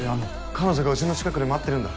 彼女がうちの近くで待ってるんだ。